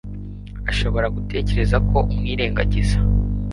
ashobora gutekereza ko umwirengagiza